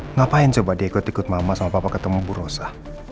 ngapain coba dia ikut ikut mama sama papa ketemu bu rosa